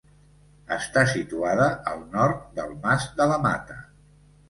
Està situada al nord del Mas de la Mata.